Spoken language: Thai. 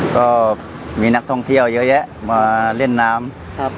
ก็มีนักท่องเที่ยวเยอะแยะมาเล่นน้ำครับ